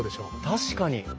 確かに！